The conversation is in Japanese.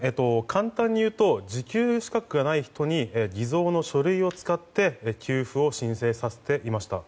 簡単にいうと受給資格のない人に偽造の書類を使って給付を申請させていました。